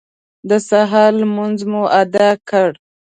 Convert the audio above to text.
د سهار لمونځ مو اداء کړ.